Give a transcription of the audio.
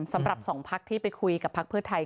เกี่ยวกับสองพักที่ไปคุยกับพักเพื่อไทย